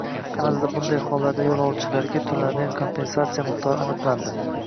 Kanadada bunday hollarda yo'lovchilarga to'lanadigan kompensatsiya miqdori aniqlandi